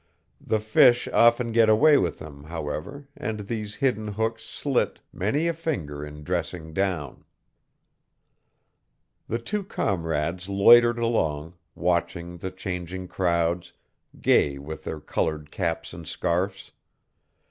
The fish often get away with them, however, and these hidden hooks slit many a finger in dressing down. The two comrades loitered along, watching the changing crowds, gay with their colored caps and scarfs.